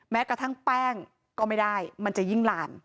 แม้กระทั่งแป้งก็ไม่ได้มันจะยิ่งลาม